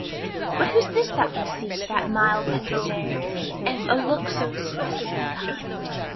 But who's this that we see, with that mild pensive air, And a look so expressively kind?